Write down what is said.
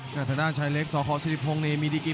และอัพพิวัตรสอสมนึก